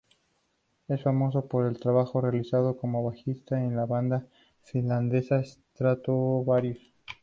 Es famoso por el trabajo realizado como bajista en la banda finlandesa "Stratovarius".